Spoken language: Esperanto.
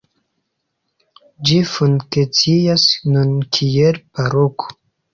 Ĝi funkcias nun kiel paroko.